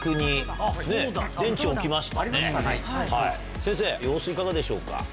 先生様子いかがでしょうか？